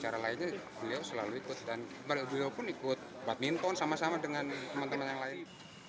cara lainnya beliau selalu ikut dan beliau pun ikut badminton sama sama dengan teman teman yang lain